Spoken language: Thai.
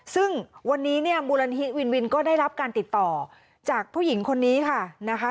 ซึ่งวันนี้บูรณฮิตวินวินก็ได้รับการติดต่อจากผู้หญิงคนนี้ค่ะ